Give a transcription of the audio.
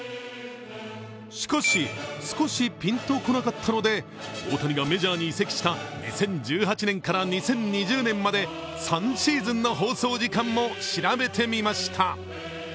しかし、少しピンと来なかったので大谷がメジャーに移籍した２０１８年から２０２０年まで３シーズンの放送時間も調べてみました。